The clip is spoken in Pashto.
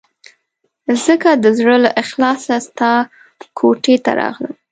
ځکه د زړه له اخلاصه ستا کوټې ته راغلم.